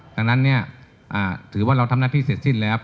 ดังนั้นเนี่ยถือว่าเราทำหน้าที่เสร็จสิ้นแล้ว